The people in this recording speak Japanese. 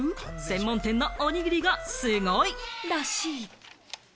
専門店のおにぎりが、すごいらしい。